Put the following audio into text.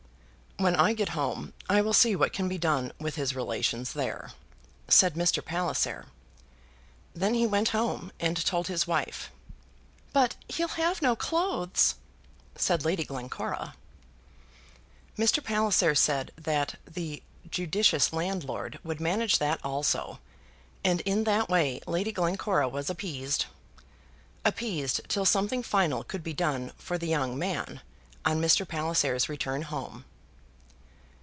"When I get home, I will see what can be done with his relations there," said Mr. Palliser. Then he went home and told his wife. "But he'll have no clothes," said Lady Glencora. Mr. Palliser said that the judicious landlord would manage that also; and in that way Lady Glencora was appeased, appeased, till something final could be done for the young man, on Mr. Palliser's return home.